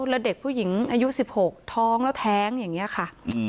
แล้วเด็กผู้หญิงอายุ๑๖ท้องแล้วแท้งอย่างนี้ค่ะ